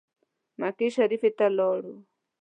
مکې شریفي ته ولاړ.